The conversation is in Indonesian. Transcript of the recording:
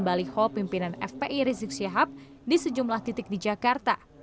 baliho pimpinan fpi rizik syihab di sejumlah titik di jakarta